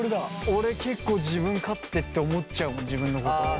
俺結構自分勝手って思っちゃう自分のこと。